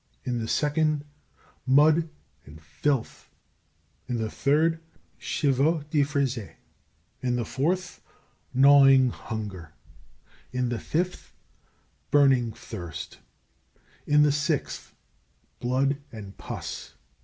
In the second, mud and filth. In the third, chevaux de frise. In the fourth, gnawing hunger. In the fifth, burning thirst. In the sixth, blood and pus.